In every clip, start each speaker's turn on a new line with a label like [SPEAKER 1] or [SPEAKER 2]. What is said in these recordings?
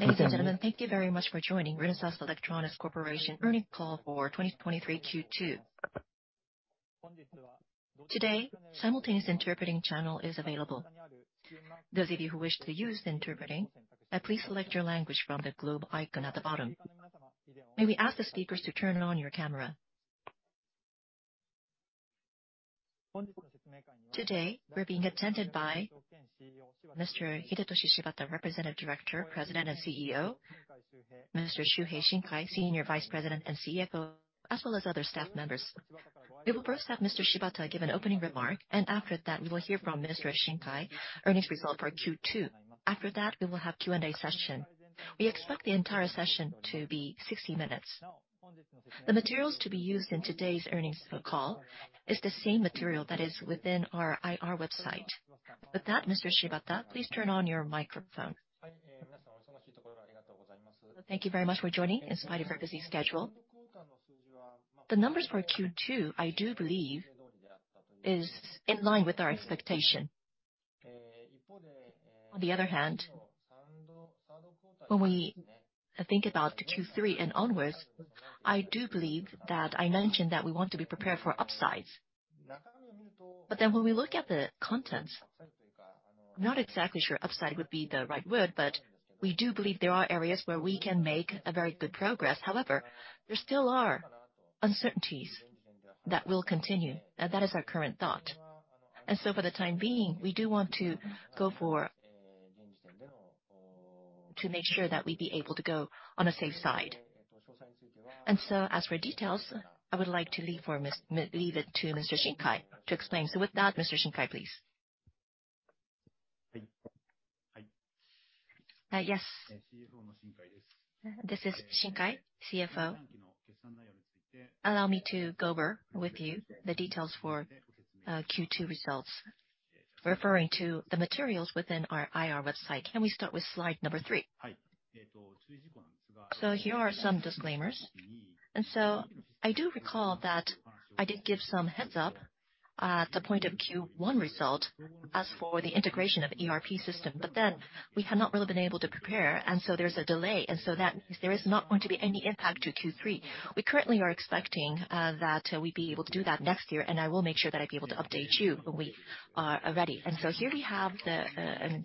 [SPEAKER 1] Ladies and gentlemen, thank you very much for joining Renesas Electronics Corporation Earnings Call for 2023 Q2. Today, simultaneous interpreting channel is available. Those of you who wish to use the interpreting, please select your language from the globe icon at the bottom. May we ask the speakers to turn on your camera? Today, we're being attended by Mr. Hidetoshi Shibata, Representative Director, President and CEO, Mr. Shuhei Shinkai, Senior Vice President and CFO, as well as other staff members. We will first have Mr. Shibata give an opening remark, and after that, we will hear from Mr. Shinkai, earnings result for Q2. After that, we will have Q&A session. We expect the entire session to be 60 minutes. The materials to be used in today's earnings call is the same material that is within our IR website. With that, Mr. Shibata, please turn on your microphone.
[SPEAKER 2] Thank you very much for joining in spite of your busy schedule. The numbers for Q2, I do believe, is in line with our expectation. When we think about the Q3 and onwards, I do believe that I mentioned that we want to be prepared for upsides. When we look at the contents, not exactly sure upside would be the right word, but we do believe there are areas where we can make a very good progress. However, there still are uncertainties that will continue, and that is our current thought. For the time being, we do want to make sure that we be able to go on a safe side. As for details, I would like to leave it to Mr. Shinkai to explain. With that, Mr. Shinkai, please. Yes.
[SPEAKER 3] This is Shinkai, CFO. Allow me to go over with you the details for Q2 results. Referring to the materials within our IR website, can we start with slide number 3? Here are some disclaimers. I do recall that I did give some heads up at the point of Q1 result as for the integration of ERP system. We have not really been able to prepare, and so there's a delay, and so that there is not going to be any impact to Q3. We currently are expecting that we'd be able to do that next year, and I will make sure that I'd be able to update you when we are ready. Here we have the...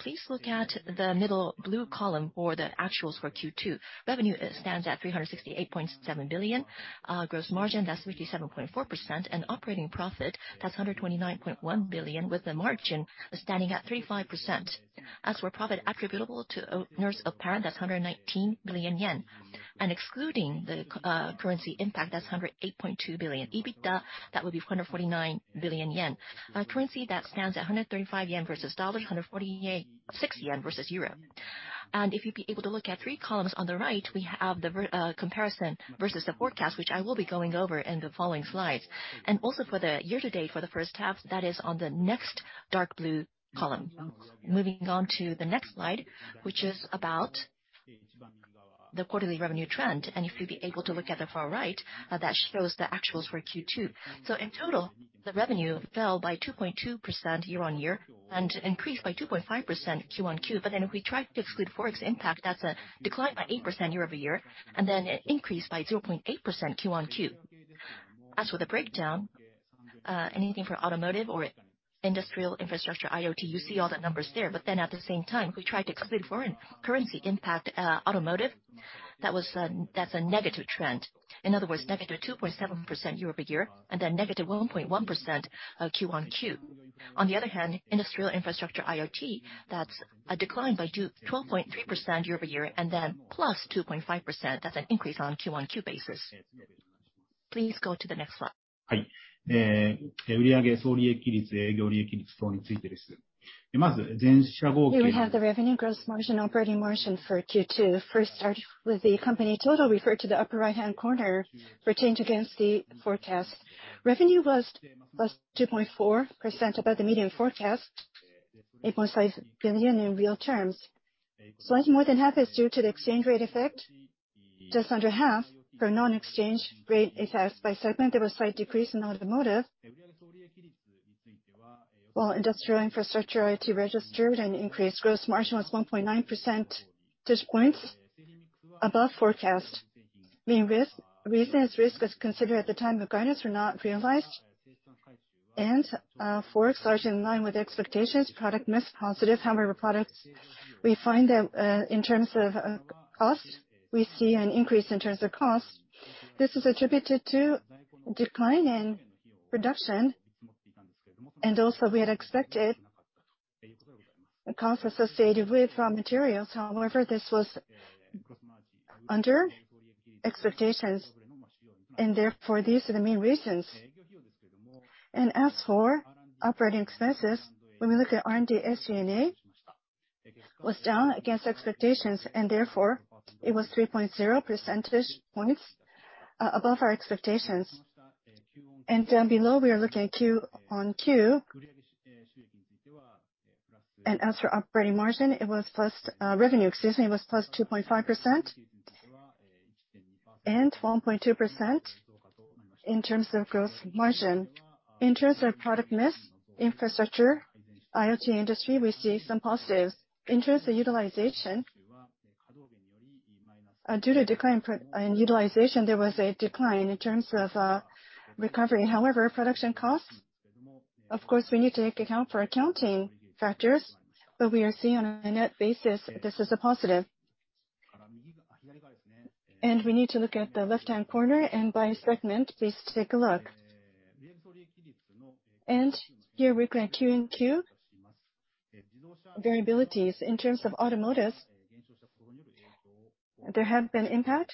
[SPEAKER 3] Please look at the middle blue column for the actuals for Q2. Revenue stands at 368.7 billion, gross margin, that's 57.4%, and operating profit, that's 129.1 billion, with the margin standing at 35%. As for profit attributable to owners of parent, that's 119 billion yen. Excluding the currency impact, that's 108.2 billion. EBITDA, that would be 149 billion yen. Currency, that stands at 135 yen versus USD, JPY 146 versus EUR. If you'd be able to look at 3 columns on the right, we have the comparison versus the forecast, which I will be going over in the following slides. Also for the year to date, for the first half, that is on the next dark blue column. Moving on to the next slide, which is about the quarterly revenue trend. If you'd be able to look at the far right, that shows the actuals for Q2. In total, the revenue fell by 2.2% year-over-year and increased by 2.5% Q1-Q2. If we try to exclude Forex impact, that's a decline by 8% year-over-year, and it increased by 0.8% Q1-Q2. The breakdown, anything for automotive or industrial, infrastructure, IoT, you see all the numbers there. At the same time, we try to exclude foreign currency impact, automotive, that's a negative trend. In other words, negative 2.7% year-over-year, and negative 1.1% Q1-Q2. On the other hand, industrial infrastructure, IoT, that's a decline by 12.3% year-over-year, plus 2.5%, that's an increase on Q1 basis. Please go to the next slide. Here we have the revenue gross margin, operating margin for Q2. Start with the company total, refer to the upper right-hand corner, retained against the forecast. Revenue was +2.4% above the medium forecast, 8.5 billion in real terms. Slightly more than half is due to the exchange rate effect, just under half for non-exchange rate effects. By segment, there was slight decrease in automotive, while industrial infrastructure, To registered an increased gross margin was 1.9%, just points above forecast. Main risk, reasons, risk is considered at the time of guidance were not realized, Forex large in line with expectations, product missed positive. Products, we find that in terms of cost, we see an increase in terms of cost. This is attributed to decline in production. We had expected the costs associated with raw materials. However, this was under expectations, and therefore, these are the main reasons. As for operating expenses, when we look at R&D, SG&A was down against expectations, and therefore, it was 3.0 percentage points above our expectations. Down below, we are looking at Q on Q. As for operating margin, it was +2.5% and 1.2% in terms of gross margin. In terms of product mix, infrastructure, IoT industry, we see some positives. In terms of utilization, due to decline in utilization, there was a decline in terms of recovery. However, production costs, of course, we need to take account for accounting factors, but we are seeing on a net basis, this is a positive. We need to look at the left-hand corner, and by segment, please take a look. Here, we're looking at Q&Q variabilities. In terms of automotive, there have been impact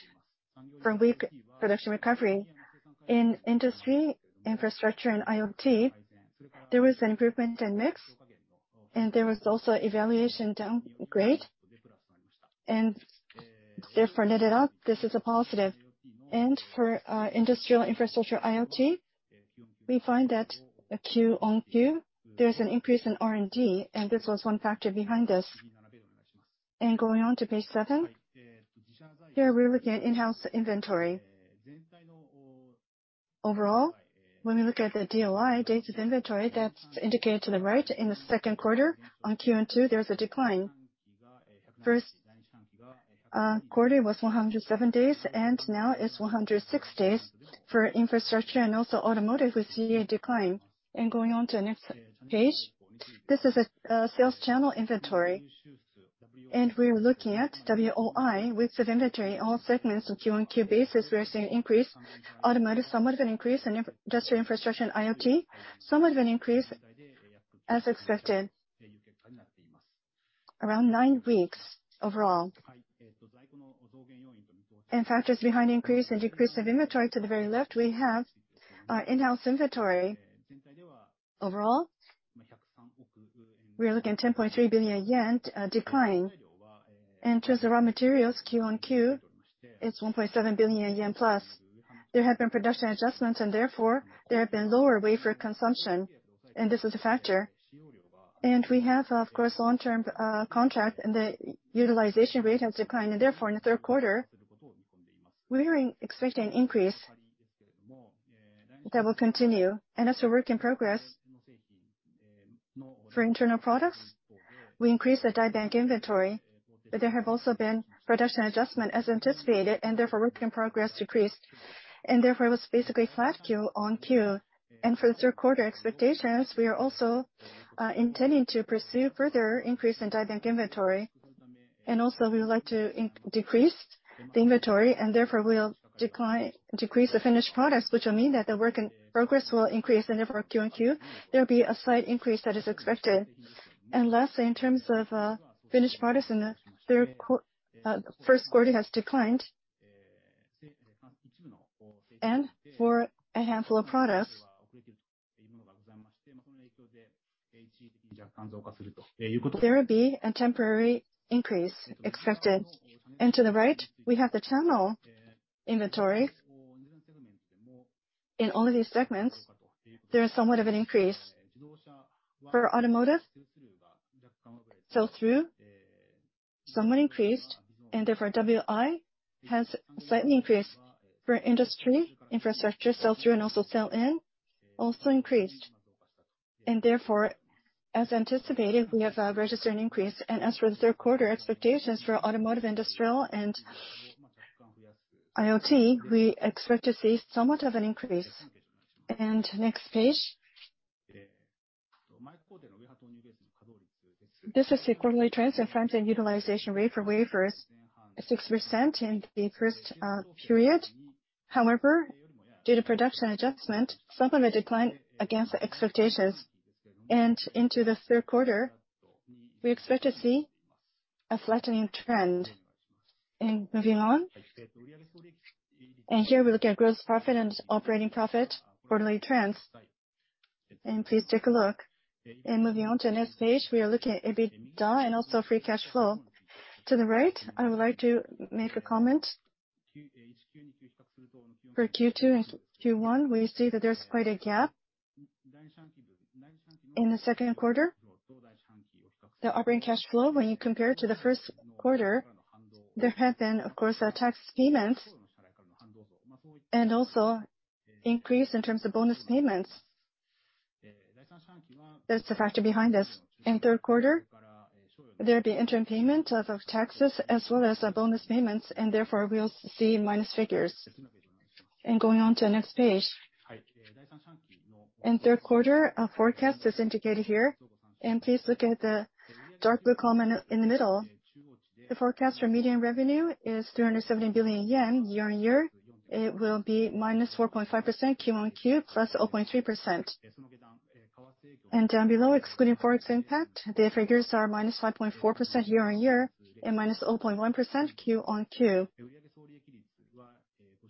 [SPEAKER 3] from weak production recovery. In industry, infrastructure, and IoT, there was an improvement in mix, and there was also evaluation downgrade, and therefore, net it up, this is a positive. For industrial infrastructure IoT, we find that a Q-on-Q, there's an increase in R&D, and this was one factor behind this. Going on to page 7. Here, we're looking at in-house inventory. Overall, when we look at the DOI, dates of inventory, that's indicated to the right in the second quarter. On Q&Q, there's a decline. First, quarter was 107 days, and now it's 106 days. For infrastructure and also automotive, we see a decline. Going on to the next page, this is a sales channel inventory. We're looking at WOI, weeks of inventory, all segments on Q&Q basis, we are seeing an increase. Automotive, somewhat of an increase, in industrial infrastructure and IoT, somewhat of an increase, as expected. Around nine weeks overall. Factors behind increase and decrease of inventory, to the very left, we have our in-house inventory. Overall, we are looking at 10.3 billion yen decline. In terms of raw materials, Q-on-Q, it's 1.7 billion yen plus. There have been production adjustments, and therefore, there have been lower wafer consumption, and this is a factor. We have, of course, long-term contract, and the utilization rate has declined, and therefore, in the third quarter, we are expecting an increase that will continue. As for work in progress, for internal products, we increased the die bank inventory, but there have also been production adjustment as anticipated, and therefore, work in progress decreased. Therefore, it was basically flat Q-on-Q. For the third quarter expectations, we are also intending to pursue further increase in die bank inventory. We would like to decrease the inventory, and therefore, we'll decrease the finished products, which will mean that the work in progress will increase, and therefore, Q-on-Q, there will be a slight increase that is expected. In terms of finished products in the first quarter has declined. For a handful of products, there will be a temporary increase expected. To the right, we have the channel inventory. In all of these segments, there is somewhat of an increase. For automotive, sell-through somewhat increased, and therefore, WOI has slightly increased. For industry, infrastructure, sell-through and also sell-in also increased. Therefore, as anticipated, we have registered an increase. As for the third quarter expectations for automotive, industrial, and IoT, we expect to see somewhat of an increase. Next page. This is the quarterly trends in front-end utilization rate for wafers, 6% in the first period. However, due to production adjustment, somewhat of a decline against the expectations. Into the third quarter, we expect to see a flattening trend. Moving on. Here, we look at gross profit and operating profit quarterly trends. Please take a look. Moving on to the next page, we are looking at EBITDA and also free cash flow. To the right, I would like to make a comment. For Q2 and Q1, we see that there's quite a gap. In the second quarter, the operating cash flow, when you compare it to the first quarter, there have been, of course, tax payments, and also increase in terms of bonus payments. That's the factor behind this. In third quarter, there'll be interim payment of taxes as well as bonus payments, therefore, we'll see minus figures. Going on to the next page. In third quarter, our forecast is indicated here, please look at the dark blue column in the middle. The forecast for median revenue is 270 billion yen year-on-year. It will be -4.5% Q-on-Q, +0.3%. Down below, excluding Forex impact, the figures are -5.4% year-on-year and -0.1% Q-on-Q.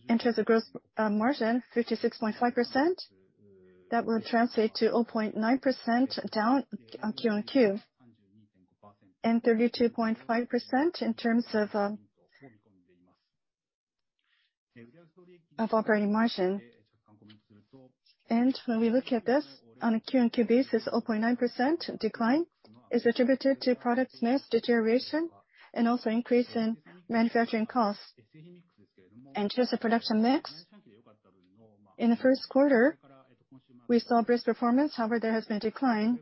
[SPEAKER 3] In terms of gross margin, 56.5%, that will translate to -0.9% down on Q-on-Q, and 32.5% in terms of operating margin. When we look at this on a Q and Q basis, 0.9% decline is attributed to product mix deterioration and also increase in manufacturing costs. Just the production mix, in the first quarter, we saw best performance. However, there has been a decline.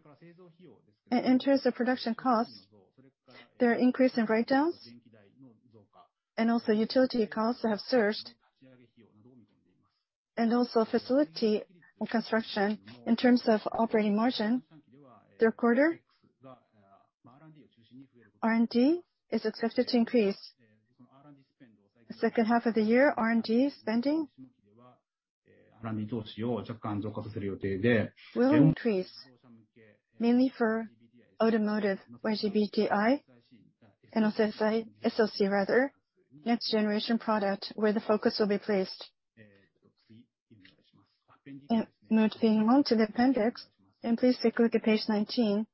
[SPEAKER 3] In terms of production costs, there are increase in write-downs and also utility costs have surged. Also facility and construction in terms of operating margin, third quarter, R&D is expected to increase. The second half of the year, R&D spending will increase, mainly for automotive, IGBTI, and also SiC SOC rather, next-generation product where the focus will be placed. Moving on to the appendix, please take a look at page 19.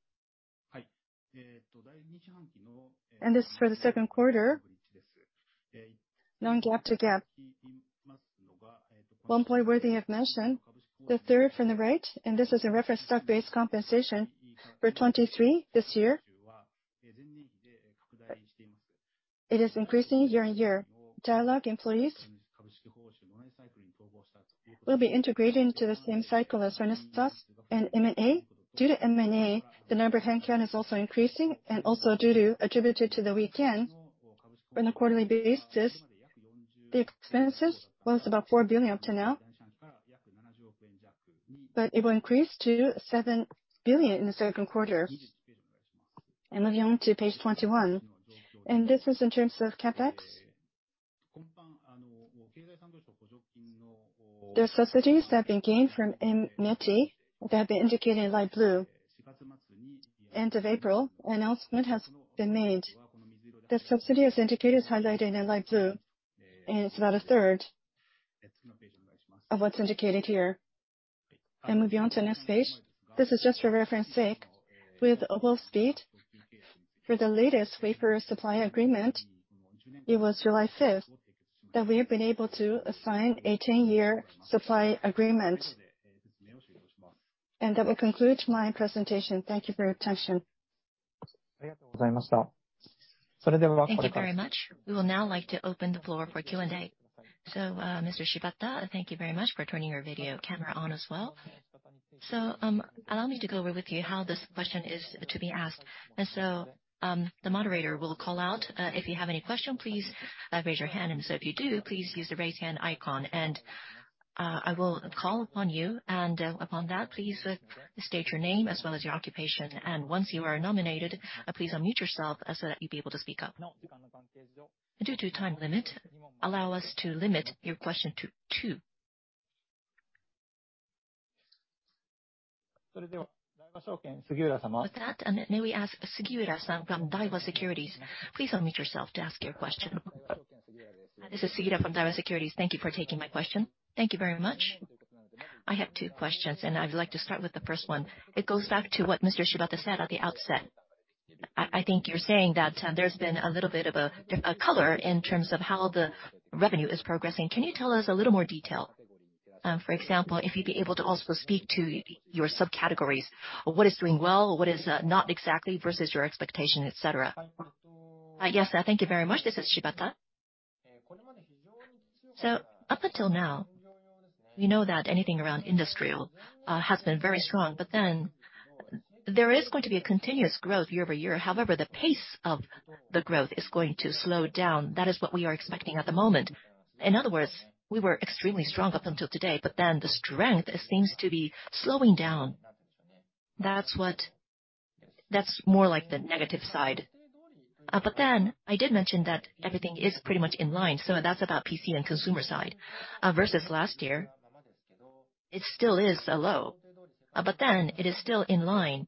[SPEAKER 3] This is for the second quarter, non-GAAP to GAAP. One point worthy of mention, the third from the right. This is a reference stock-based compensation for 2023. It is increasing year-over-year. Dialog employees will be integrated into the same cycle as Renesas and M&A. Due to M&A, the number headcount is also increasing, and also attributed to the weekend. On a quarterly basis, the expenses was about 4 billion up to now, but it will increase to 7 billion in the second quarter. Moving on to page 21. This is in terms of CapEx. There are subsidies that have been gained from METI that have been indicated in light blue. End of April, announcement has been made. The subsidy, as indicated, is highlighted in light blue. It's about a third of what's indicated here. Moving on to the next page. This is just for reference sake. With global speed, for the latest wafer supply agreement, it was July fifth that we have been able to assign a 10-year supply agreement. That will conclude my presentation. Thank you for your attention.
[SPEAKER 1] Thank you very much. We will now like to open the floor for Q&A. Mr. Shibata, thank you very much for turning your video camera on as well. Allow me to go over with you how this question is to be asked. The moderator will call out. If you have any question, please raise your hand. If you do, please use the raise hand icon, and I will call upon you. Upon that, please state your name as well as your occupation. Once you are nominated, please unmute yourself, so that you'll be able to speak up. Due to time limit, allow us to limit your question to 2. May we ask Sugiura-san from Daiwa Securities, please unmute yourself to ask your question.
[SPEAKER 4] This is Sugiura from Daiwa Securities. Thank you for taking my question. Thank you very much. I have 2 questions. I'd like to start with the first one. It goes back to what Mr. Shibata said at the outset. I think you're saying that there's been a little bit of a color in terms of how the revenue is progressing. Can you tell us a little more detail? For example, if you'd be able to also speak to your subcategories. What is doing well, what is not exactly versus your expectation, et cetera.
[SPEAKER 2] Yes, thank you very much. This is Shibata. Up until now, we know that anything around industrial has been very strong, there is going to be a continuous growth year-over-year. However, the pace of the growth is going to slow down. That is what we are expecting at the moment. In other words, we were extremely strong up until today, the strength seems to be slowing down. That's more like the negative side. I did mention that everything is pretty much in line, that's about PC and consumer side. Versus last year, it still is low, it is still in line.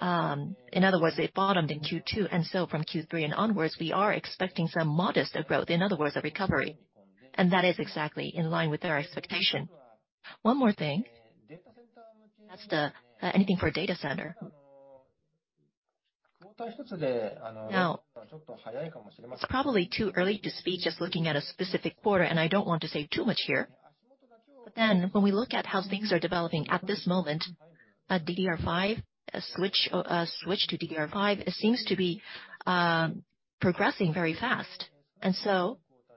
[SPEAKER 2] In other words, it bottomed in Q2, from Q3 and onwards, we are expecting some modest growth, in other words, a recovery. That is exactly in line with our expectation. One more thing, that's anything for data center. It's probably too early to speak, just looking at a specific quarter, and I don't want to say too much here. When we look at how things are developing at this moment, a DDR5, a switch to DDR5, it seems to be progressing very fast.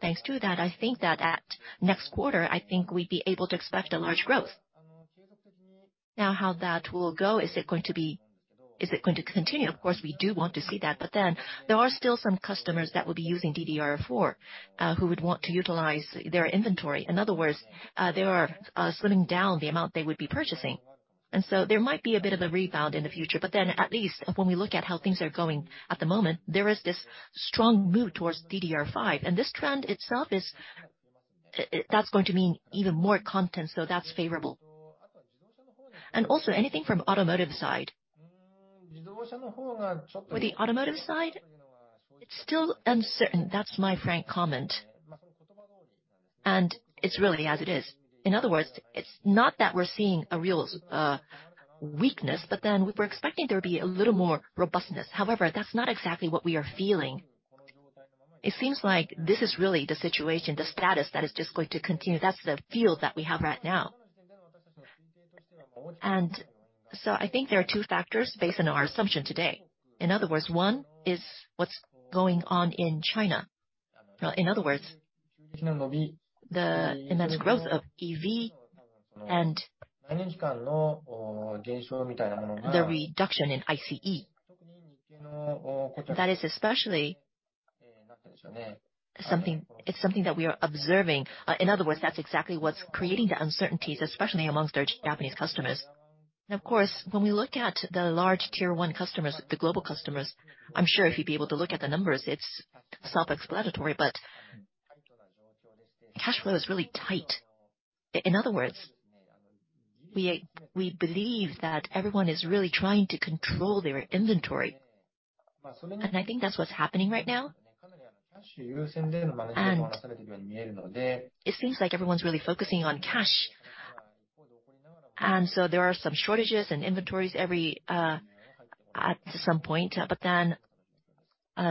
[SPEAKER 2] Thanks to that, I think that at next quarter, I think we'd be able to expect a large growth. How that will go? Is it going to continue? Of course, we do want to see that, but then there are still some customers that will be using DDR4 who would want to utilize their inventory. In other words, they are slimming down the amount they would be purchasing, there might be a bit of a rebound in the future. At least when we look at how things are going at the moment, there is this strong move towards DDR5, and this trend itself is that's going to mean even more content, so that's favourable. Also, anything from automotive side? For the automotive side, it's still uncertain. That's my frank comment, and it's really as it is. In other words, it's not that we're seeing a real weakness, we were expecting there'd be a little more robustness. However, that's not exactly what we are feeling. It seems like this is really the situation, the status that is just going to continue. That's the feel that we have right now. I think there are two factors based on our assumption today. In other words, one is what's going on in China. In other words, the immense growth of EV and the reduction in ICE. That is especially something, it's something that we are observing. In other words, that's exactly what's creating the uncertainties, especially amongst our Japanese customers. Of course, when we look at the large tier one customers, the global customers, I'm sure if you'd be able to look at the numbers, it's self-explanatory, but cash flow is really tight. In other words, we believe that everyone is really trying to control their inventory, and I think that's what's happening right now. It seems like everyone's really focusing on cash, there are some shortages in inventories every at some point.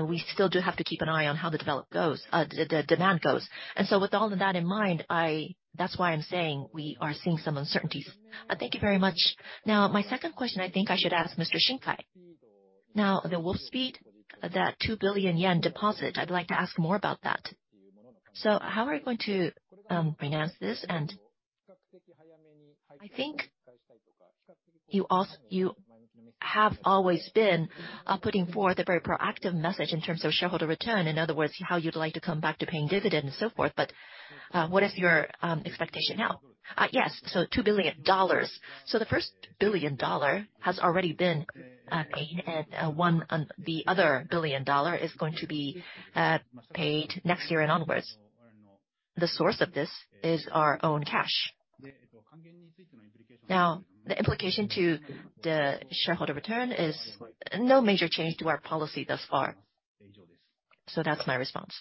[SPEAKER 2] We still do have to keep an eye on how the develop goes, the demand goes. With all of that in mind, that's why I'm saying we are seeing some uncertainties.
[SPEAKER 4] Thank you very much. My second question, I think I should ask Mr. Shinkai. The Wolfspeed, that 2 billion yen deposit, I'd like to ask more about that. How are you going to finance this? I think you have always been putting forth a very proactive message in terms of shareholder return. In other words, how you'd like to come back to paying dividend and so forth, but what is your expectation now?
[SPEAKER 3] Yes, $2 billion. The first $1 billion has already been paid, and the other $1 billion is going to be paid next year and onwards. The source of this is our own cash. The implication to the shareholder return is no major change to our policy thus far. That's my response.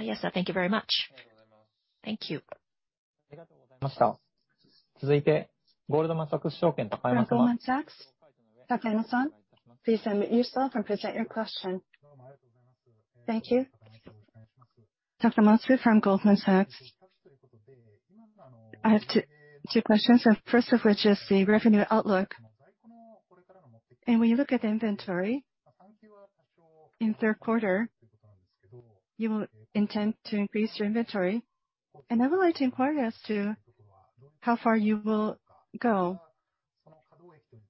[SPEAKER 4] Yes, sir. Thank you very much.
[SPEAKER 3] Thank you.
[SPEAKER 1] Goldman Sachs? Takayama, please unmute yourself and present your question.
[SPEAKER 5] Thank you. Takayama from Goldman Sachs. I have two questions. First of which is the revenue outlook. When you look at the inventory in third quarter, you will intend to increase your inventory. I would like to inquire as to how far you will go.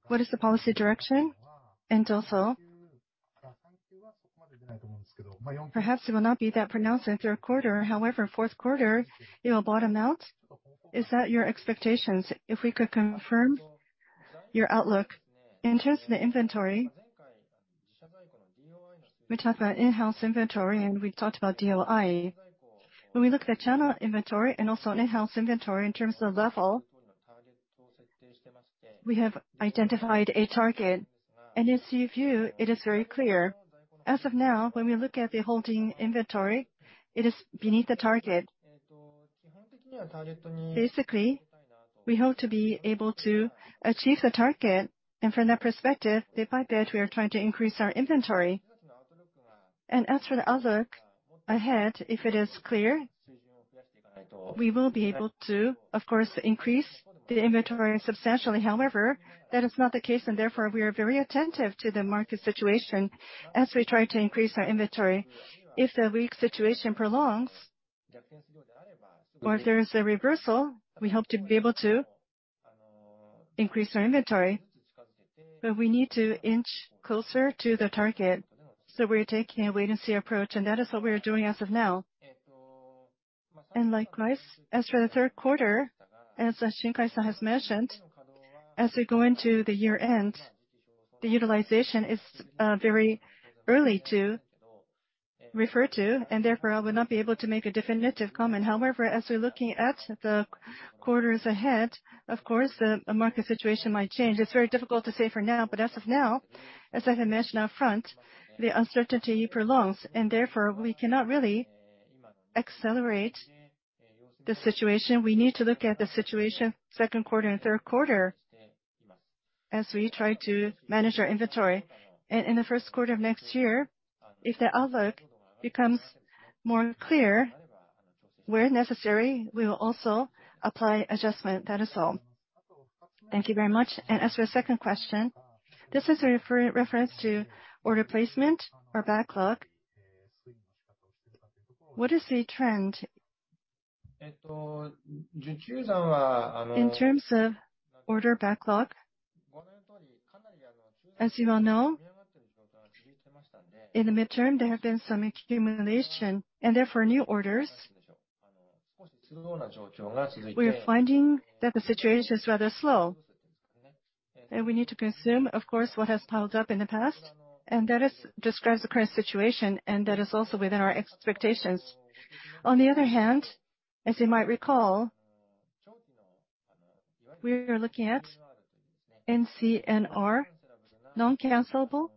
[SPEAKER 5] What is the policy direction? Also, perhaps it will not be that pronounced in the third quarter. However, fourth quarter, it will bottom out. Is that your expectations? If we could confirm your outlook.
[SPEAKER 2] In terms of the inventory, we talked about in-house inventory, and we talked about DOI. When we look at the channel inventory and also in-house inventory in terms of level, we have identified a target, and as you view, it is very clear. As of now, when we look at the holding inventory, it is beneath the target. Basically, we hope to be able to achieve the target, and from that perspective, bit by bit, we are trying to increase our inventory. As for the outlook ahead, if it is clear, we will be able to, of course, increase the inventory substantially. However, that is not the case, and therefore, we are very attentive to the market situation as we try to increase our inventory. If the weak situation prolongs or if there is a reversal, we hope to be able to increase our inventory, but we need to inch closer to the target. We're taking a wait-and-see approach, and that is what we are doing as of now. Likewise, as for the third quarter, as Shinkai-san has mentioned, as we go into the year-end, the utilization is very early to refer to, and therefore, I would not be able to make a definitive comment. As we're looking at the quarters ahead, of course, the market situation might change. It's very difficult to say for now, as of now, as I had mentioned up front, the uncertainty prolongs, and therefore, we cannot really accelerate the situation. We need to look at the situation second quarter and third quarter as we try to manage our inventory. In the first quarter of next year, if the outlook becomes more clear, where necessary, we will also apply adjustment. That is all.
[SPEAKER 5] Thank you very much. As for the second question, this is a reference to order placement or backlog. What is the trend?
[SPEAKER 3] In terms of order backlog, as you all know, in the midterm, there have been some accumulation, and therefore, new orders, we are finding that the situation is rather slow. We need to consume, of course, what has piled up in the past, and that is, describes the current situation, and that is also within our expectations. On the other hand, as you might recall, we are looking at NCNR, non-cancellable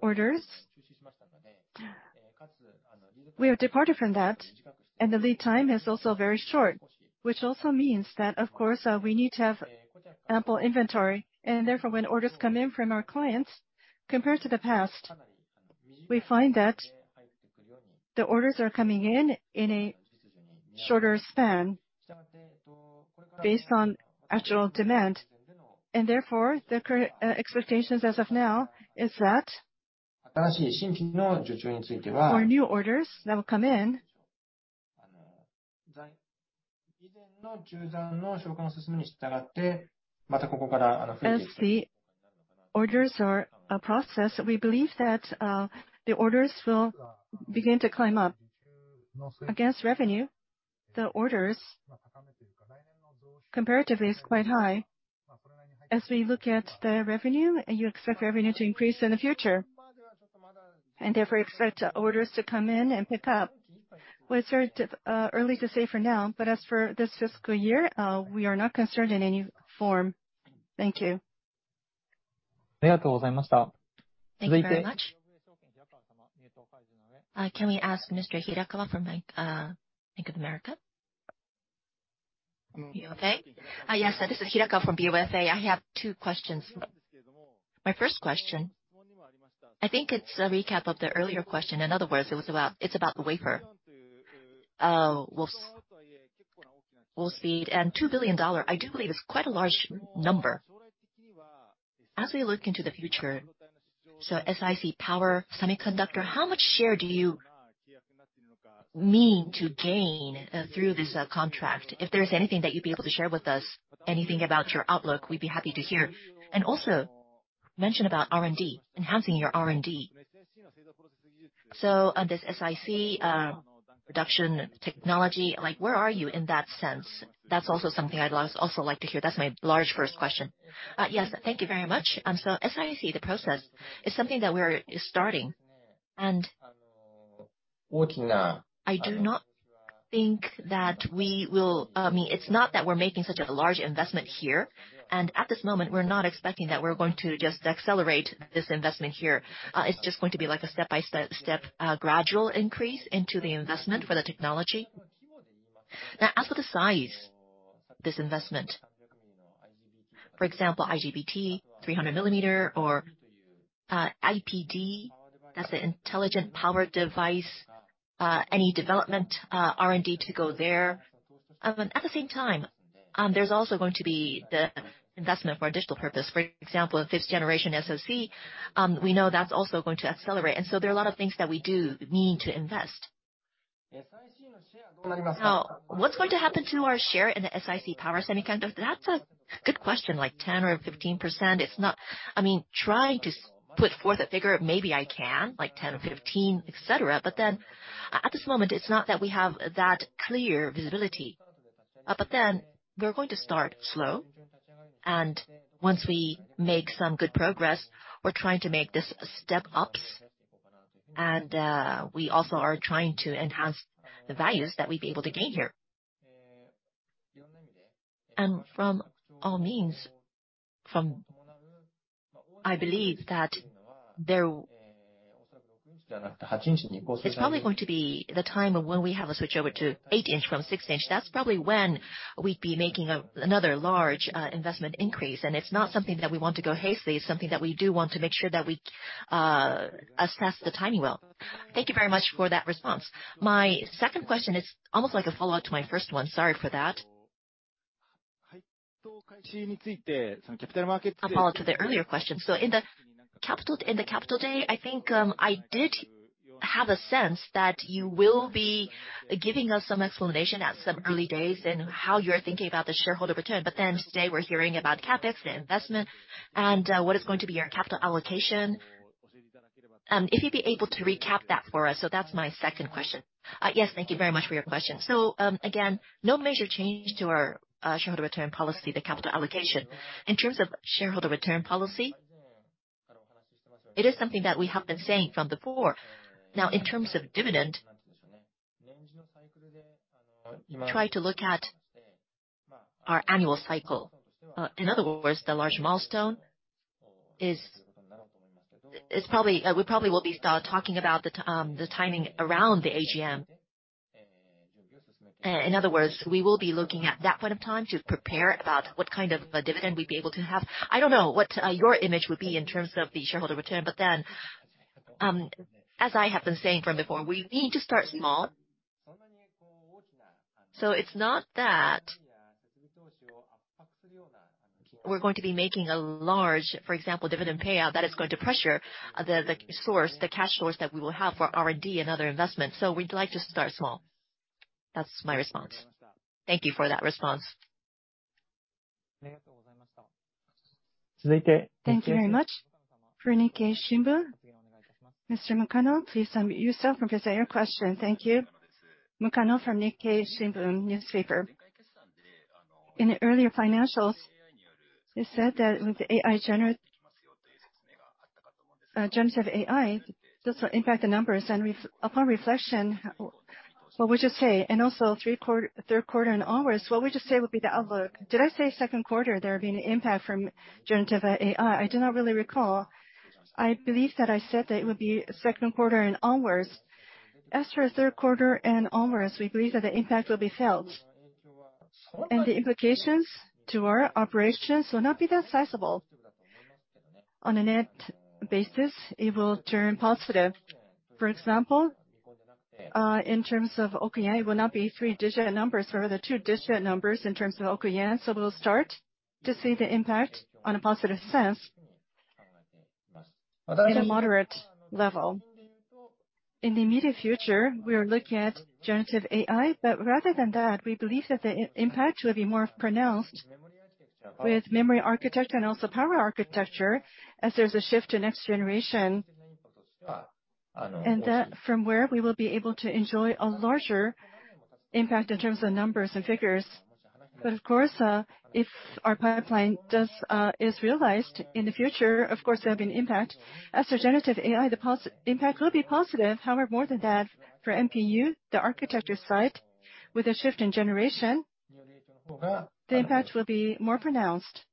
[SPEAKER 3] orders. We have departed from that, and the lead time is also very short, which also means that, of course, we need to have ample inventory, and therefore, when orders come in from our clients, compared to the past, we find that the orders are coming in in a shorter span based on actual demand.
[SPEAKER 2] Therefore, the expectations as of now is that for new orders that will come in, as the orders are processed, we believe that the orders will begin to climb up. Against revenue, the orders comparatively is quite high. As we look at the revenue, you expect revenue to increase in the future, and therefore, expect orders to come in and pick up. Well, it's sort of early to say for now, but as for this fiscal year, we are not concerned in any form. Thank you.
[SPEAKER 5] Thank you very much.
[SPEAKER 1] Can we ask Mr. Hirakawa from Bank of America? You okay?
[SPEAKER 6] Yes, this is Hirakawa from BofA. I have two questions. My first question, I think it's a recap of the earlier question. In other words, it's about the wafer. Wolfspeed and $2 billion, I do believe, is quite a large number. As we look into the future, so SiC power, semiconductor, how much share do you mean to gain through this contract? If there is anything that you'd be able to share with us, anything about your outlook, we'd be happy to hear. Also, mention about R&D, enhancing your R&D. On this SiC production technology, like, where are you in that sense? That's also something I'd also like to hear. That's my large first question.
[SPEAKER 2] Yes, thank you very much. SiC, the process, is something that we are starting, and I do not think that we will. I mean, it's not that we're making such a large investment here, and at this moment, we're not expecting that we're going to just accelerate this investment here. It's just going to be like a step-by-step gradual increase into the investment for the technology. As for the size, this investment, for example, IGBT, 300 millimeter or IPD, that's an intelligent power device, any development, R&D to go there. At the same time, there's also going to be the investment for additional purpose. For example, a 5th generation SOC, we know that's also going to accelerate, there are a lot of things that we do need to invest. What's going to happen to our share in the SiC power semiconductor? That's a good question, like 10% or 15%. I mean, trying to put forth a figure, maybe I can, like 10 or 15, et cetera, at this moment, it's not that we have that clear visibility. We're going to start slow, and once we make some good progress, we're trying to make these step-ups, and we also are trying to enhance the values that we'd be able to gain here. From all means, I believe that it's probably going to be the time of when we have a switchover to 8-inch from 6-inch. That's probably when we'd be making another large investment increase, and it's not something that we want to go hastily. It's something that we do want to make sure that we access the timing well.
[SPEAKER 6] Thank you very much for that response. My second question is almost like a follow-up to my first one. Sorry for that. A follow-up to the earlier question. In the capital, in the capital day, I think I did have a sense that you will be giving us some explanation at some early days in how you're thinking about the shareholder return. Today, we're hearing about CapEx and investment and what is going to be your capital allocation. If you'd be able to recap that for us. That's my second question.
[SPEAKER 2] Yes, thank you very much for your question. Again, no major change to our shareholder return policy, the capital allocation. In terms of shareholder return policy, it is something that we have been saying from before. In terms of dividend, try to look at our annual cycle. In other words, the large milestone is probably we probably will be start talking about the timing around the AGM. In other words, we will be looking at that point of time to prepare about what kind of a dividend we'd be able to have. I don't know what your image would be in terms of the shareholder return, as I have been saying from before, we need to start small. It's not that we're going to be making a large, for example, dividend pay out, that is going to pressure the source, the cash source that we will have for R&D and other investments, so we'd like to start small. That's my response.
[SPEAKER 6] Thank you for that response.
[SPEAKER 2] Thank you very much.
[SPEAKER 1] For Nikkei Shimbun, Mr. Makino, please unmute yourself and present your question.
[SPEAKER 7] Thank you. Makino from Nikkei Shimbun Newspaper. In the earlier financials, you said that with generative AI, just to impact the numbers, upon reflection, what would you say? Third quarter in hours, what would you say would be the outlook?
[SPEAKER 2] Did I say second quarter, there being an impact from generative AI? I do not really recall. I believe that I said that it would be second quarter and onwards. Third quarter and onwards, we believe that the impact will be felt, and the implications to our operations will not be that sizable. On a net basis, it will turn positive. For example, in terms of (OKI), it will not be three-digit numbers or the two-digit numbers in terms of (OKI). We'll start to see the impact on a positive sense in a moderate level. In the immediate future, we are looking at generative AI, rather than that, we believe that the impact will be more pronounced with memory architecture and also power architecture as there's a shift to next generation. That from where we will be able to enjoy a larger impact in terms of numbers and figures. Of course, if our pipeline does, is realized in the future, of course there will be an impact. As for generative AI, the impact will be positive. More than that, for NPU, the architecture side, with a shift in generation, the impact will be more pronounced.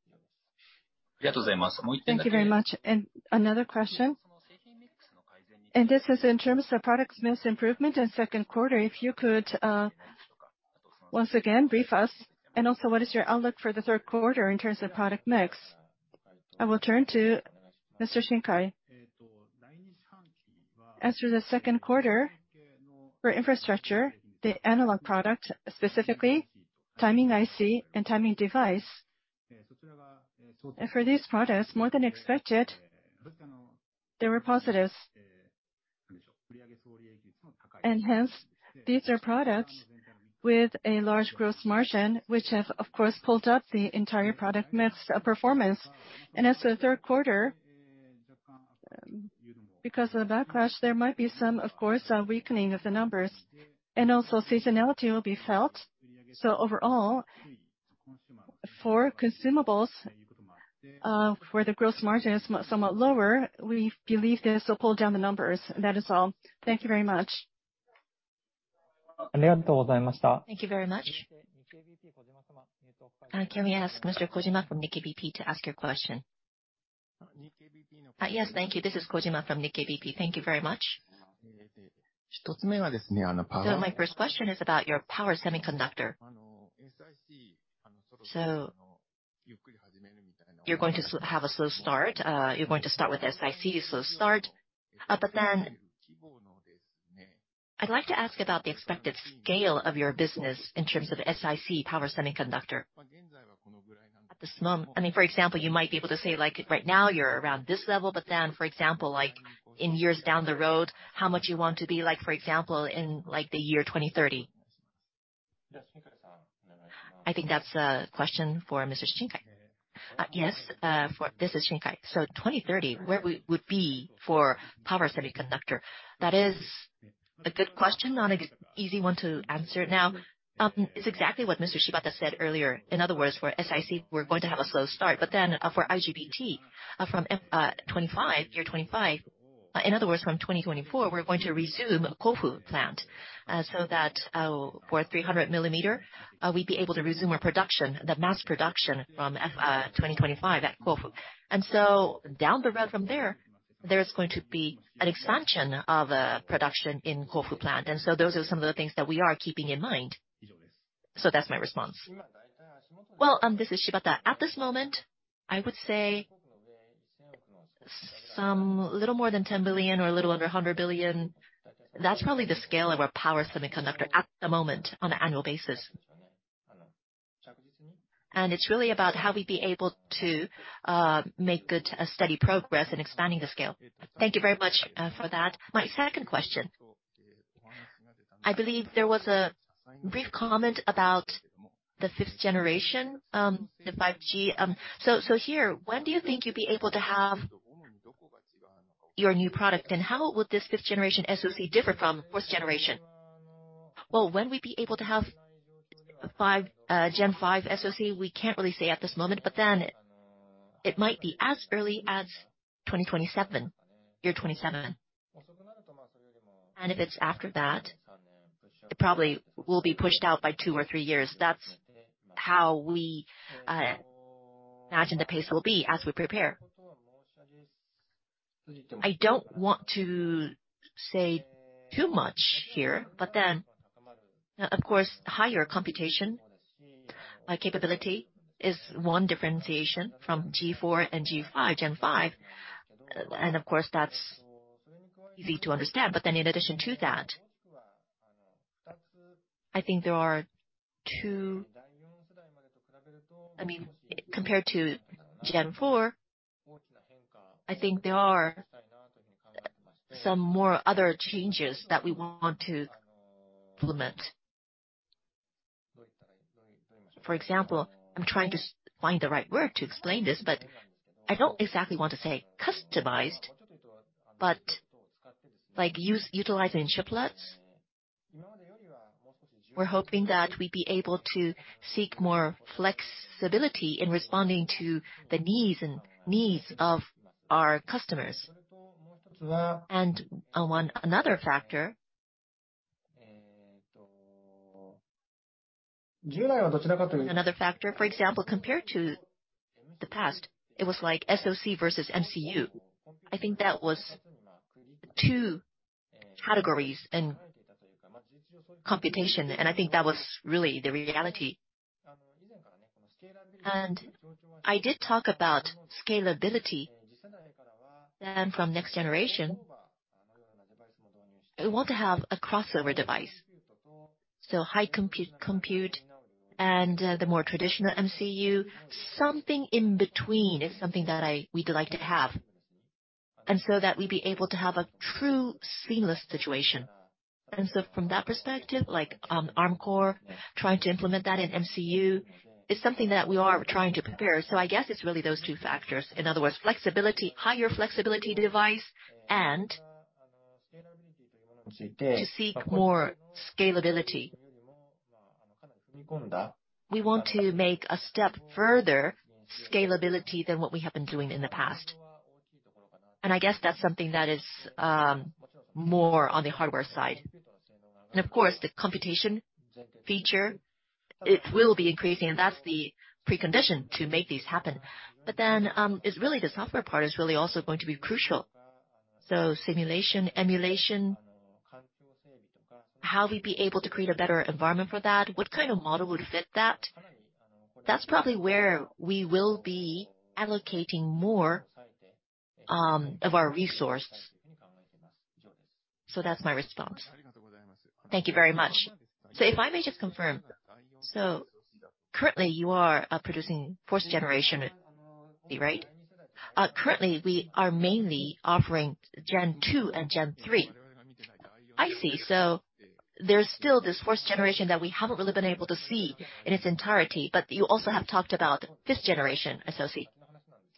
[SPEAKER 7] Thank you very much. Another question, and this is in terms of product mix improvement in second quarter, if you could, once again brief us, and also what is your outlook for the third quarter in terms of product mix?
[SPEAKER 2] I will turn to Mr. Shinkai.
[SPEAKER 3] As for the second quarter, for infrastructure, the analog product, specifically timing IC and timing device, for these products, more than expected, they were positives. Hence, these are products with a large growth margin, which have, of course, pulled up the entire product mix performance. As for the third quarter, because of the backlash, there might be some, of course, a weakening of the numbers, and also seasonality will be felt. Overall, for consumables, where the growth margin is somewhat lower, we believe this will pull down the numbers. That is all. Thank you very much.
[SPEAKER 7] Thank you very much.
[SPEAKER 1] Can we ask Mr. Kojima from Nikkei BP to ask your question?
[SPEAKER 8] Yes, thank you. This is Kojima from Nikkei BP. Thank you very much. My first question is about your power semiconductor. You're going to have a slow start, you're going to start with SiC slow start. I'd like to ask about the expected scale of your business in terms of SiC power semiconductor. At this moment, I mean, for example, you might be able to say, like, right now, you're around this level, but then, for example, like, in years down the road, how much you want to be like, for example, in, like, the year 2030.
[SPEAKER 2] I think that's a question for Mr. Shinkai.
[SPEAKER 3] This is Shinkai. 2030, where we would be for power semiconductor? That is a good question, not an easy one to answer. It's exactly what Mr. Shibata said earlier. In other words, for SiC, we're going to have a slow start, for IGBT, from 25, year 25, in other words, from 2024, we're going to resume Kofu plant, so that for 300 millimeter, we'd be able to resume our production, the mass production from 2025 at Kofu. Down the road from there's going to be an expansion of production in Kofu plant. Those are some of the things that we are keeping in mind. That's my response.
[SPEAKER 2] Well, this is Shibata. At this moment, I would say some little more than 10 billion or a little under 100 billion. That's probably the scale of our power semiconductor at the moment on an annual basis. It's really about how we'd be able to make good, steady progress in expanding the scale.
[SPEAKER 8] Thank you very much for that. My second question, I believe there was a brief comment about the fifth generation, the 5G. When do you think you'll be able to have your new product, and how will this fifth generation SoC different from fourth generation?
[SPEAKER 2] Well, when we'd be able to have five, gen five SoC, we can't really say at this moment, but then it might be as early as 2027, year 27. If it's after that, it probably will be pushed out by two or three years. That's how we imagine the pace will be as we prepare. I don't want to say too much here, but then, of course, higher computation capability is one differentiation from G4 and G5, Gen 5, and of course, that's easy to understand. In addition to that, I think there are two, I mean, compared to Gen 4, I think there are some more other changes that we want to implement. For example, I'm trying to find the right word to explain this, but I don't exactly want to say customized, but like use, utilizing chiplets. We're hoping that we'd be able to seek more flexibility in responding to the needs of our customers. Another factor, for example, compared to the past, it was like SoC versus MCU. I think that was two categories in computation, and I think that was really the reality. I did talk about scalability, and from next generation, we want to have a crossover device. High compute and the more traditional MCU, something in between is something that we'd like to have, and so that we'd be able to have a true seamless situation. From that perspective, like, Arm core, trying to implement that in MCU is something that we are trying to prepare. I guess it's really those two factors. In other words, flexibility, higher flexibility device and to seek more scalability. We want to make a step further scalability than what we have been doing in the past. I guess that's something that is more on the hardware side. Of course, the computation feature, it will be increasing, and that's the precondition to make these happen. It's really the software part is really also going to be crucial. Simulation, emulation, how we'd be able to create a better environment for that, what kind of model would fit that? That's probably where we will be allocating more of our resources. That's my response.
[SPEAKER 8] Thank you very much. If I may just confirm, currently, you are producing fourth generation, right?
[SPEAKER 2] Currently, we are mainly offering gen two and gen three. I see. There's still this fourth generation that we haven't really been able to see in its entirety, but you also have talked about this generation SoC.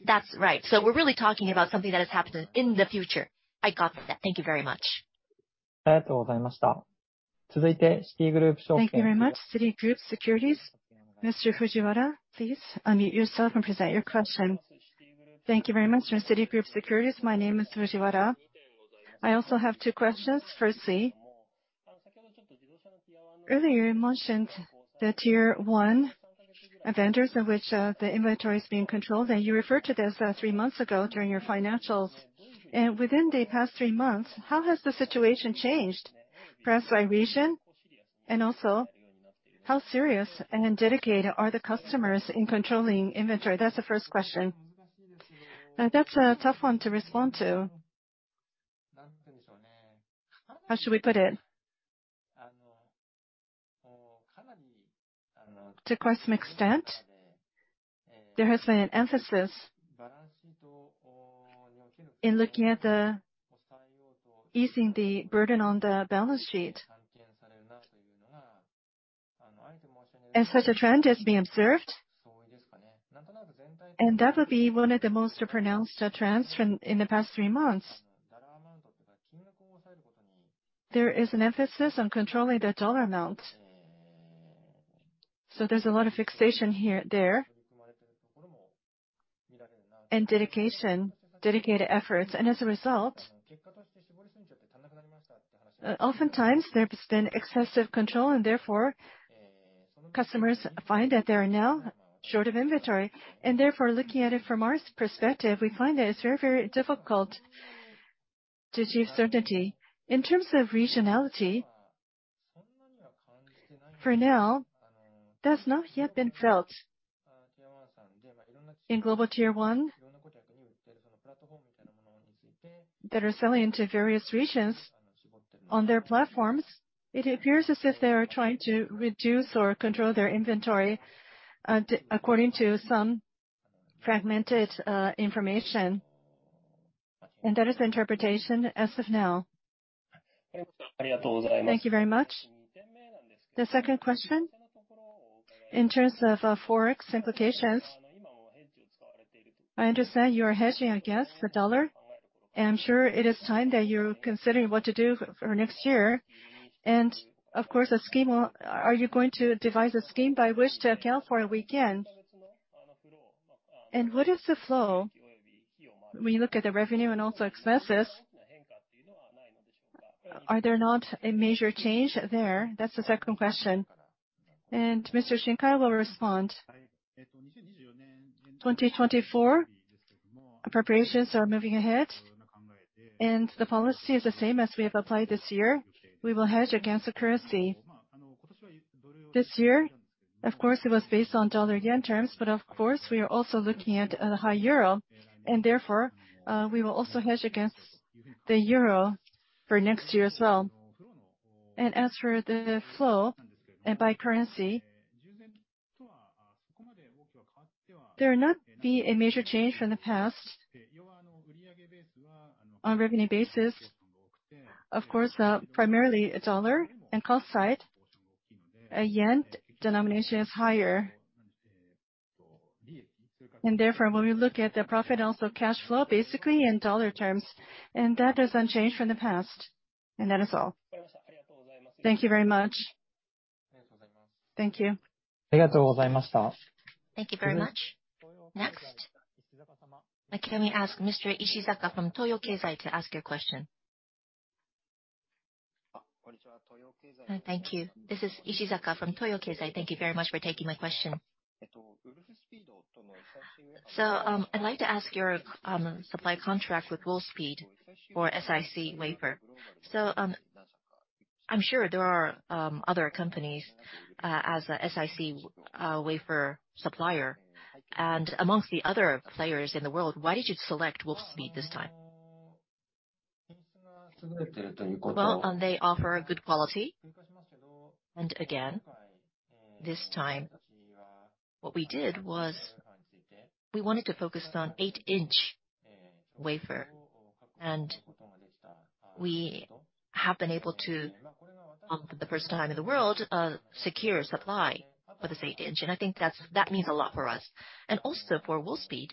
[SPEAKER 2] That's right. We're really talking about something that has happened in the future.
[SPEAKER 8] I got that. Thank you very much.
[SPEAKER 2] Thank you very much.
[SPEAKER 1] Citigroup Securities. Mr. Fujiwara, please unmute yourself and present your question.
[SPEAKER 9] Thank you very much. From Citigroup Securities, my name is Fujiwara. I also have two questions. Firstly, earlier, you mentioned the tier one vendors of which, the inventory is being controlled, and you referred to this, three months ago during your financials. Within the past three months, how has the situation changed, perhaps by region? Also, how serious and dedicated are the customers in controlling inventory? That's the first question.
[SPEAKER 2] That's a tough one to respond to. How should we put it? To quite some extent, there has been an emphasis in looking at the easing the burden on the balance sheet. Such a trend is being observed, and that would be one of the most pronounced trends from in the past three months. There is an emphasis on controlling the dollar amount, so there's a lot of fixation here, there, and dedication, dedicated efforts, and as a result, oftentimes there's been excessive control, and therefore, customers find that they are now short of inventory. Therefore, looking at it from our perspective, we find that it's very, very difficult to achieve certainty. In terms of regionality, for now, that's not yet been felt. In global tier one, that are selling into various regions on their platforms, it appears as if they are trying to reduce or control their inventory, according to some fragmented information. That is the interpretation as of now.
[SPEAKER 9] Thank you very much. The second question, in terms of Forex implications, I understand you are hedging, I guess, the dollar. I'm sure it is time that you're considering what to do for next year. Are you going to devise a scheme by which to account for a weekend? What is the flow when you look at the revenue and also expenses? Are there not a major change there? That's the second question.
[SPEAKER 2] Mr. Shinkai will respond.
[SPEAKER 3] 2024, preparations are moving ahead. The policy is the same as we have applied this year. We will hedge against the currency. This year, of course, it was based on dollar yen terms, but of course, we are also looking at a high EUR. Therefore, we will also hedge against the EUR for next year as well. As for the flow and by currency, there will not be a major change from the past. On revenue basis, of course, primarily USD and cost side, a JPY denomination is higher. Therefore, when we look at the profit and also cash flow, basically in USD terms, that doesn't change from the past. That is all.
[SPEAKER 9] Thank you very much.
[SPEAKER 3] Thank you.
[SPEAKER 1] Thank you very much. Next, let me ask Mr. Ishizaka from Toyo Keizai to ask your question.
[SPEAKER 10] Thank you. This is Ishizaka from Toyo Keizai. Thank you very much for taking my question. I'd like to ask your supply contract with Wolfspeed for SiC wafer. I'm sure there are other companies as a SiC wafer supplier. Amongst the other players in the world, why did you select Wolfspeed this time?
[SPEAKER 2] They offer good quality. Again, this time, what we did was we wanted to focus on 8-inch wafer, and we have been able to, for the first time in the world, secure supply for this 8 inch. I think that's, that means a lot for us. Also for Wolfspeed,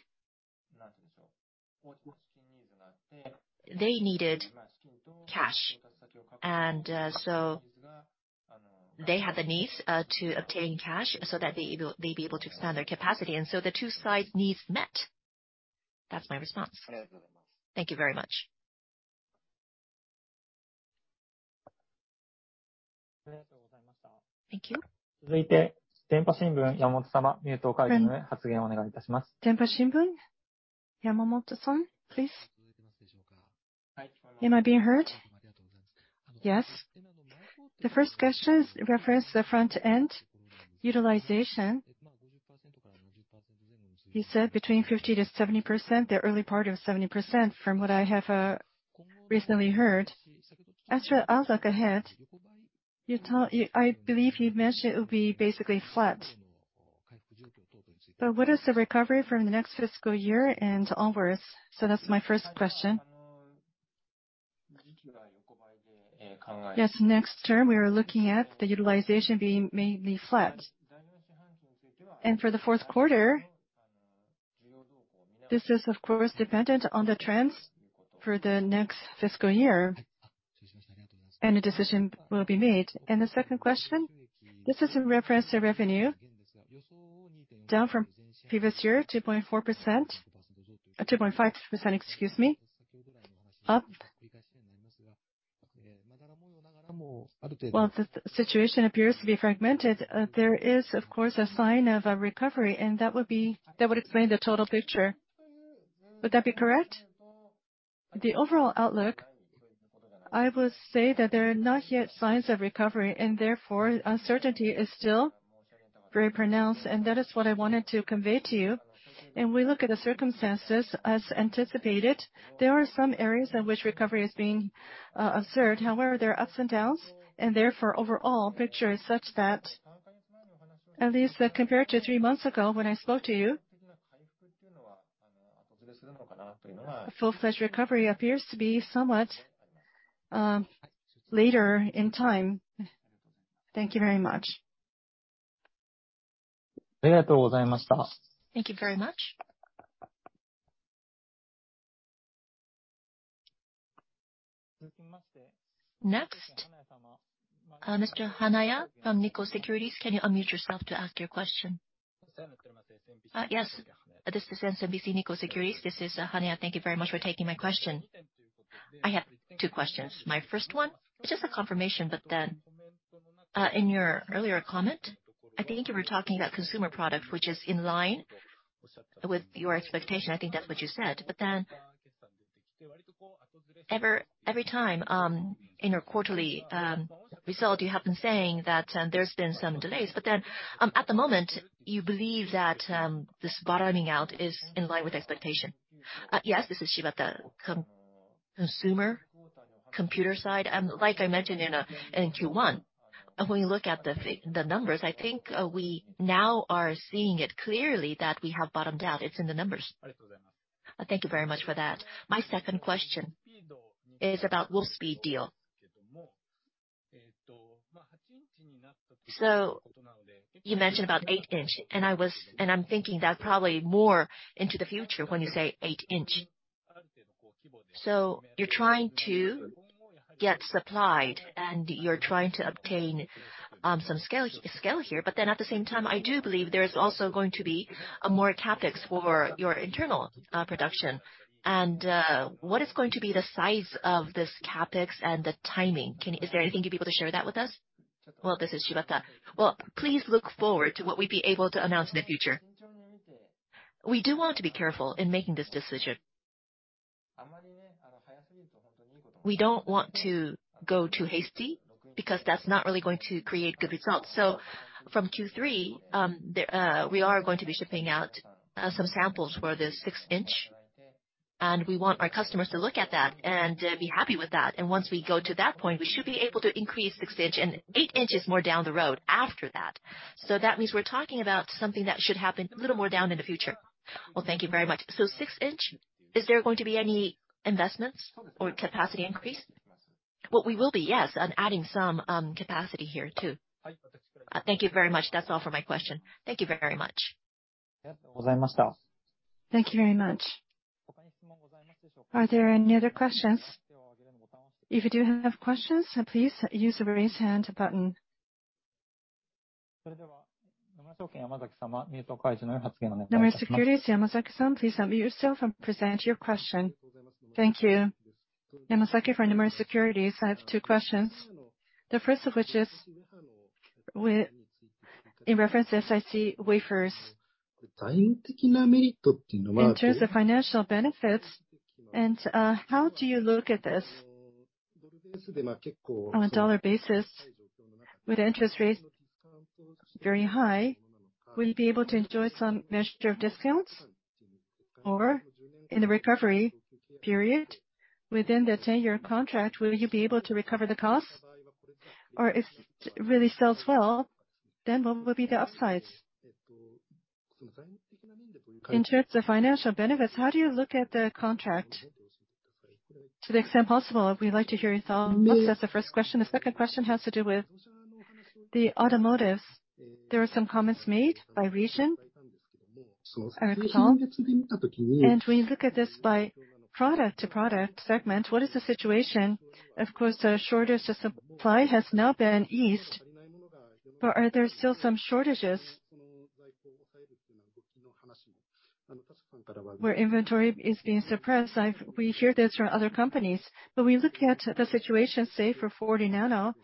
[SPEAKER 2] they needed cash, and so they had the needs to obtain cash so that they'd be able to expand their capacity. The two sides' needs met. That's my response. Thank you very much.
[SPEAKER 10] Thank you.
[SPEAKER 1] Dempa Shimbun, Yamamoto-san, please.
[SPEAKER 11] Am I being heard?
[SPEAKER 2] Yes.
[SPEAKER 11] The first question is reference the front-end utilization. You said between 50%-70%, the early part of 70% from what I have recently heard. As for outlook ahead, I believe you mentioned it will be basically flat. What is the recovery from the next fiscal year and onwards? That's my first question.
[SPEAKER 2] Yes, next term, we are looking at the utilization being mainly flat. For the fourth quarter, this is of course, dependent on the trends for the next fiscal year. A decision will be made.
[SPEAKER 11] The second question, this is in reference to revenue, down from previous year, 2.4%, 2.5%, excuse me, up. While the situation appears to be fragmented, there is, of course, a sign of a recovery, and that would explain the total picture. Would that be correct?
[SPEAKER 2] The overall outlook, I would say that there are not yet signs of recovery, and therefore, uncertainty is still very pronounced, and that is what I wanted to convey to you. We look at the circumstances as anticipated. There are some areas in which recovery is being observed. However, there are ups and downs, and therefore, overall picture is such that, at least compared to 3 months ago when I spoke to you, a full-fledged recovery appears to be somewhat later in time.
[SPEAKER 11] Thank you very much.
[SPEAKER 2] Thank you very much.
[SPEAKER 1] Next, Mr. Hanaya from Nikko Securities, can you unmute yourself to ask your question?
[SPEAKER 12] Yes, this is SMBC Nikko Securities. This is Hanaya. Thank you very much for taking my question. I have two questions. My first one, just a confirmation. In your earlier comment, I think you were talking about consumer product, which is in line with your expectation. I think that's what you said. Every time, in your quarterly result, you have been saying that there's been some delays. At the moment, you believe that this bottoming out is in line with expectation.
[SPEAKER 2] Yes, this is Shibata. Consumer, computer side, like I mentioned in Q1, when we look at the numbers, I think, we now are seeing it clearly that we have bottomed out. It's in the numbers.
[SPEAKER 12] Thank you very much for that. My second question is about Wolfspeed deal. You mentioned about 8-inch, and I'm thinking that probably more into the future when you say 8-inch. You're trying to get supplied, and you're trying to obtain some scale here. At the same time, I do believe there is also going to be a more CapEx for your internal production. What is going to be the size of this CapEx and the timing? Is there anything you'd be able to share that with us?
[SPEAKER 2] This is Shibata. Please look forward to what we'd be able to announce in the future. We do want to be careful in making this decision. We don't want to go too hasty because that's not really going to create good results. From Q3, there we are going to be shipping out some samples for the 6 inch, and we want our customers to look at that and be happy with that. Once we go to that point, we should be able to increase 6 inch and 8 inches more down the road after that. That means we're talking about something that should happen a little more down in the future. Thank you very much. 6 inch, is there going to be any investments or capacity increase? We will be, yes, on adding some capacity here, too.
[SPEAKER 12] Thank you very much. That's all for my question.
[SPEAKER 2] Thank you very much.
[SPEAKER 1] Thank you very much. Are there any other questions? If you do have questions, please use the Raise Hand button. Nomura Securities, Yamasaki-san, please unmute yourself and present your question.
[SPEAKER 13] Thank you. Yamasaki from Nomura Securities. I have two questions. The first of which is in reference to SiC wafers. In terms of financial benefits and how do you look at this? On a dollar basis, with interest rates very high, will you be able to enjoy some measure of discounts? In the recovery period within the 10-year contract, will you be able to recover the costs? If it really sells well, what would be the upsides? In terms of financial benefits, how do you look at the contract? To the extent possible, we'd like to hear your thoughts. That's the first question. The second question has to do with the automotives.
[SPEAKER 2] There were some comments made by region, during the call. We look at this by product to product segment, what is the situation? Of course, the shortage of supply has now been eased, but are there still some shortages? Where inventory is being suppressed, we hear this from other companies. We look at the situation, say, for 40 nano,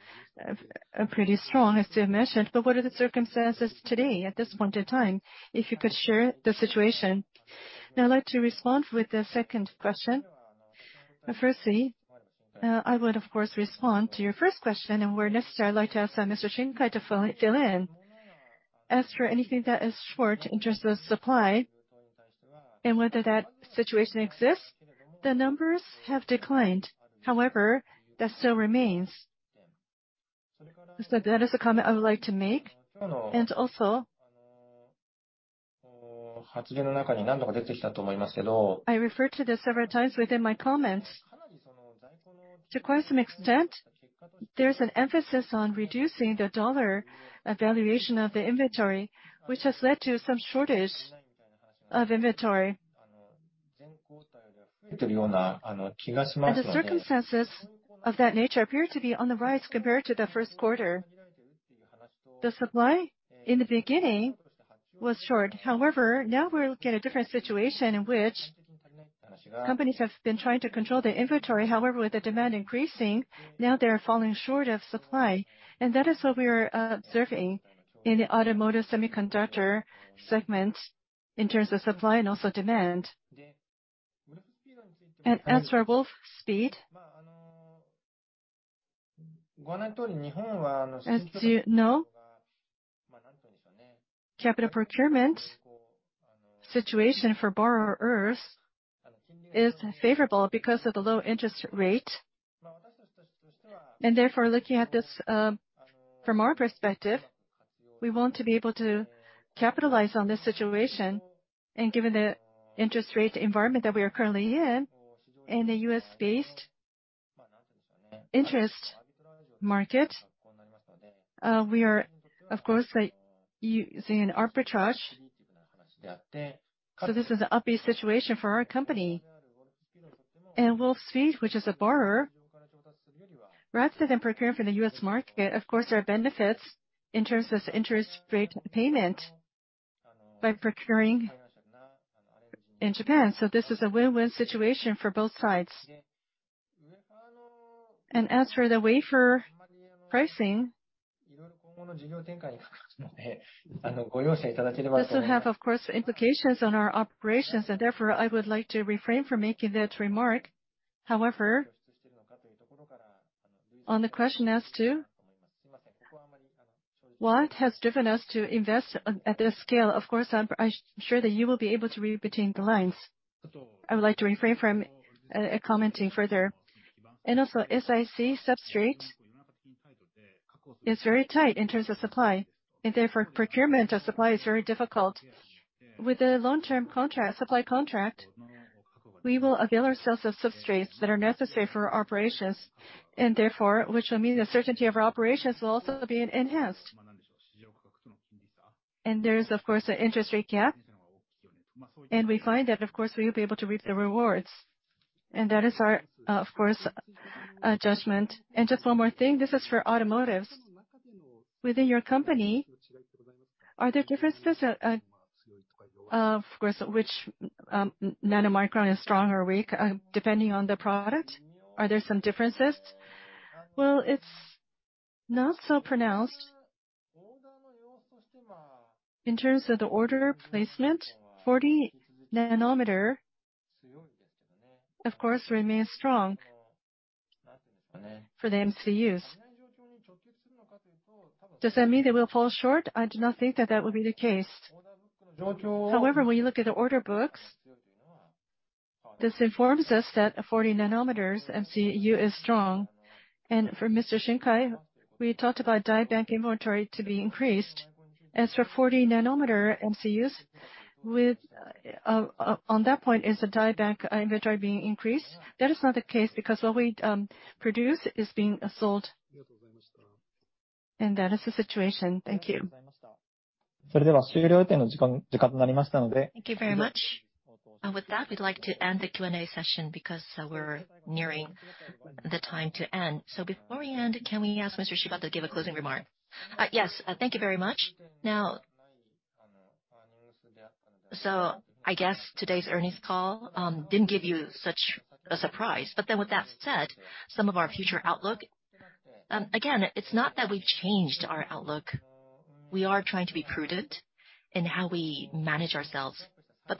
[SPEAKER 2] are pretty strong, as you mentioned, but what are the circumstances today, at this point in time? If you could share the situation. I'd like to respond with the second question. Firstly, I would, of course, respond to your first question, and where necessary, I'd like to ask Mr. Shinkai to fill in.
[SPEAKER 3] As for anything that is short in terms of supply and whether that situation exists, the numbers have declined. However, that still remains. That is a comment I would like to make. Also, I referred to this several times within my comments. To quite some extent, there's an emphasis on reducing the dollar evaluation of the inventory, which has led to some shortage of inventory. The circumstances of that nature appear to be on the rise compared to the first quarter. The supply, in the beginning, was short. However, now we're looking at a different situation in which companies have been trying to control their inventory. However, with the demand increasing, now they are falling short of supply. That is what we are observing in the automotive semiconductor segment in terms of supply and also demand. As for Wolfspeed, as you know, capital procurement situation for borrowers is favorable because of the low interest rate. Therefore, looking at this, from our perspective, we want to be able to capitalize on this situation. Given the interest rate environment that we are currently in the US-based interest market, we are of course, using an arbitrage. This is an upbeat situation for our company. Wolfspeed, which is a borrower, rather than procuring from the US market, of course, there are benefits in terms of interest rate payment by procuring in Japan. This is a win-win situation for both sides. As for the wafer pricing, this will have, of course, implications on our operations, and therefore, I would like to refrain from making that remark. However, on the question as to what has driven us to invest at this scale, of course, I'm sure that you will be able to read between the lines. I would like to refrain from commenting further. Also, SiC substrate is very tight in terms of supply, and therefore, procurement of supply is very difficult. With a long-term contract, supply contract, we will avail ourselves of substrates that are necessary for our operations, and therefore, which will mean the certainty of our operations will also be enhanced. There is, of course, an interest rate gap, and we find that, of course, we will be able to reap the rewards, and that is our, of course, judgment.
[SPEAKER 13] Just one more thing, this is for automotives. Within your company, are there differences, of course, which nano micro is strong or weak, depending on the product? Are there some differences?
[SPEAKER 2] Well, it's not so pronounced. In terms of the order placement, 40-nanometer, of course, remains strong for the MCUs. Does that mean they will fall short? I do not think that that will be the case. However, when you look at the order books, this informs us that 40-nanometer MCU is strong. For Mr. Shinkai, we talked about die bank inventory to be increased. As for 40-nanometer MCUs, with on that point, is the die bank inventory being increased? That is not the case, because what we produce is being sold. That is the situation. Thank you.
[SPEAKER 13] Thank you very much.
[SPEAKER 1] With that, we'd like to end the Q&A session because we're nearing the time to end. Before we end, can we ask Mr. Shibata to give a closing remark?
[SPEAKER 2] Yes, thank you very much. I guess today's earnings call didn't give you such a surprise. With that said, some of our future outlook, again, it's not that we've changed our outlook. We are trying to be prudent in how we manage ourselves, but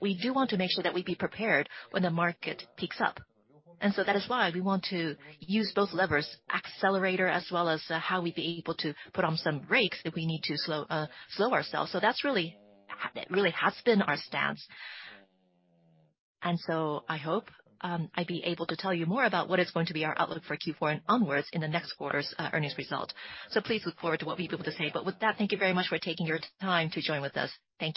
[SPEAKER 2] we do want to make sure that we be prepared when the market picks up. That is why we want to use both levers, accelerator, as well as how we'd be able to put on some brakes if we need to slow ourselves. That's really has been our stance. I hope I'd be able to tell you more about what is going to be our outlook for Q4 and onwards in the next quarter's earnings result. Please look forward to what we'll be able to say. With that, thank you very much for taking your time to join with us. Thank you.